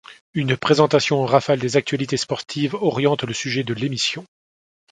Une présentation en rafale des actualités sportives oriente le sujet de l'émission.